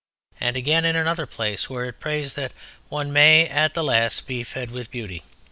And again, in another place, where it prays that one may at the last be fed with beauty